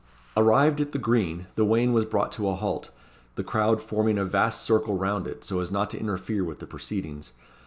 Arrived at the green, the wain was brought to a halt; the crowd forming a vast circle round it, so as not to interfere with the proceedings.